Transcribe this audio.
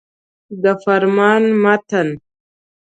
د فرمان متن.